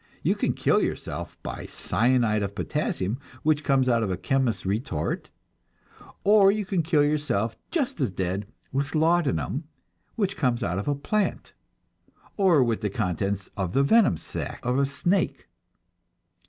You can kill yourself by cyanide of potassium, which comes out of a chemist's retort; but you can kill yourself just as dead with laudanum, which comes out of a plant, or with the contents of the venom sac of a snake.